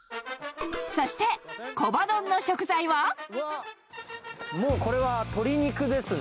そして、もうこれは鶏肉ですね。